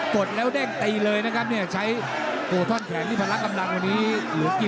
กดแล้วด้งตีเลยนะครับใช้โกต้อนแข็งพันละกำลังวันนี้